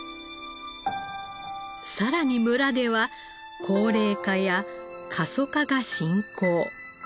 さらに村では高齢化や過疎化が進行。